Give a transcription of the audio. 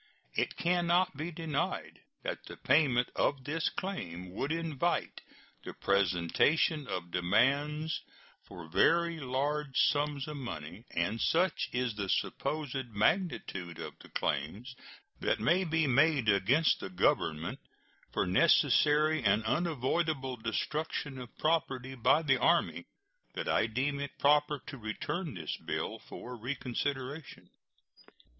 It can not be denied that the payment of this claim would invite the presentation of demands for very large sums of money; and such is the supposed magnitude of the claims that may be made against the Government for necessary and unavoidable destruction of property by the Army that I deem it proper to return this bill for reconsideration.